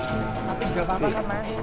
aku juga panggil mas